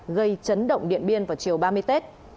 gây chấn động điện biên vào chiều ba mươi tết